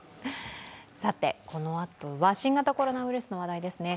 さて、このあとは新型コロナウイルスの話題ですね。